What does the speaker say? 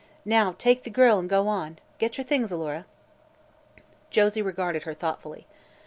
Now take the girl and go. Get your things on, Alora." Josie regarded her thoughtfully.